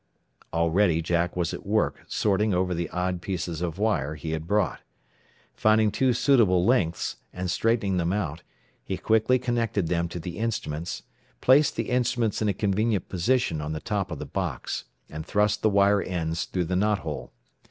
Already Jack was at work sorting over the odd pieces of wire he had brought. Finding two suitable lengths, and straightening them out, he quickly connected them to the instruments, placed the instruments in a convenient position on the top of the box, and thrust the wire ends through the knot hole.